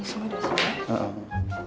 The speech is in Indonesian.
ini semua udah selesai